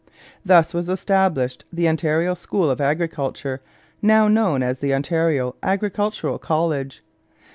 Thus was established the Ontario School of Agriculture, now known as the Ontario Agricultural College.